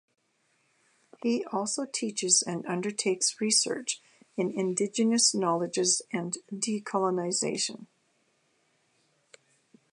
He also teaches and undertakes research in Indigenous knowledges and decolonisation.